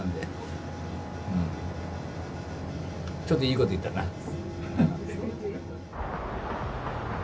ちょっといいこと言ったな！